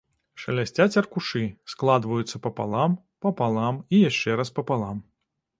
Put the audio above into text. Шалясцяць аркушы, складваюцца папалам, папалам і яшчэ раз папалам.